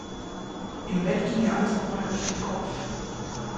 Im Bett ging ihr alles noch mal durch den Kopf.